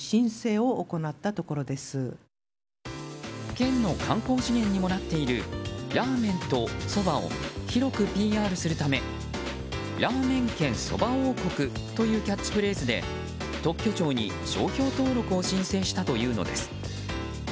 県の観光資源にもなっているラーメンとそばを広くＰＲするためラーメン県そば王国というキャッチフレーズで特許庁に商標登録を申請したというのです。